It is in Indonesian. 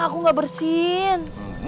aku gak bersin